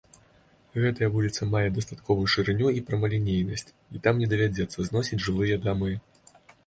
Гэтая вуліца мае дастатковую шырыню і прамалінейнасць і там не давядзецца зносіць жылыя дамы.